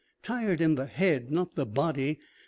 Tired in the head, not the body.